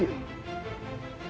tetap harus mendapatkan izin